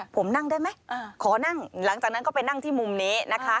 ผมนั่งได้ไหมขอนั่งหลังจากนั้นก็ไปนั่งที่มุมนี้นะคะ